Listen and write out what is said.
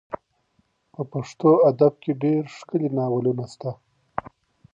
په پښتو ادب کي ډېر ښکلي ناولونه سته.